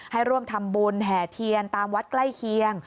ให้ร่วมทำบุญแห่เทียนตามวัดใกล้เคียง